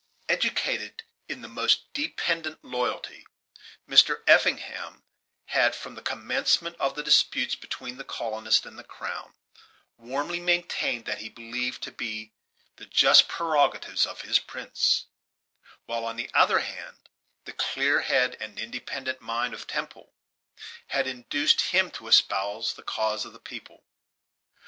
Educated in the most dependent loyalty, Mr. Effingham had, from the commencement of the disputes between the colonists and the crown, warmly maintained what he believed to be the just prerogatives of his prince; while, on the other hand, the clear head and independent mind of Temple had induced him to espouse the cause of the people.